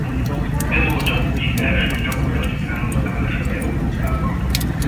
Ez volt a gumi első gyakorlati felhasználása Európában.